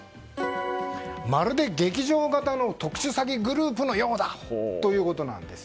まるで劇場型の特殊詐欺グループのようだ！ということです。